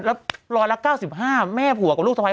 แล้วรอละ๙๕แม่ผัวกับลูกสวัสดี